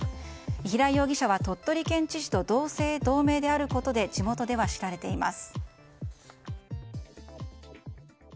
平井容疑者は鳥取県知事と同姓同名であることで地元では知られています。